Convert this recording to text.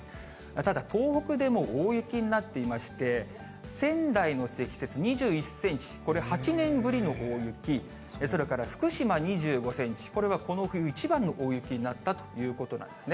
ただ、東北でも大雪になっていまして、仙台の積雪２１センチ、これ、８年ぶりの大雪、それから福島２５センチ、これはこの冬一番の大雪になったということなんですね。